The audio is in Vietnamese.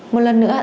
một lần nữa